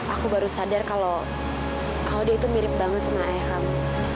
aku baru sadar kalau kaudi itu mirip banget sama ayah kamu